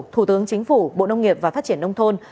thủ tướng chính phủ bộ nông nghiệp và phát triển nông thôn